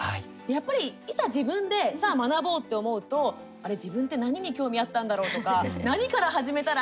やっぱり、いざ自分でさあ学ぼうって思うとあれ、自分って何に興味あったんだろう？とか何から始めたら？